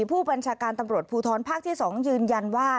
ผู้บัญชาการตำรวจภูทรภาคที่๒ยืนยันว่า